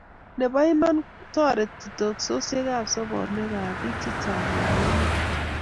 Nebo iman, toriti teksosiek sobonwek ab bik che chang eng emet